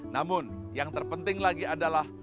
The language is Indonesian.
namun yang terpenting lagi adalah